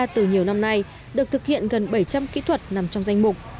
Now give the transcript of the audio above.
từ nhiều năm nay được thực hiện gần bảy trăm linh kỹ thuật nằm trong danh mục